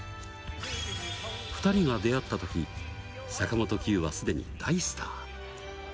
２人が出会ったとき、坂本九はすでに大スター。